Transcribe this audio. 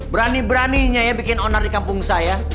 berani beraninya ya bikin onar di kampung saya